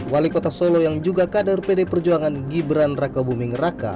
wali kota solo yang juga kader pd perjuangan gibran raka buming raka